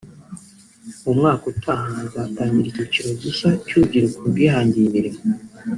mu mwaka utaha hazatangira icyiciro gishya cy’urubyiruko rwihangiye imirimo